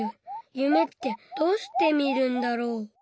夢ってどうして見るんだろう？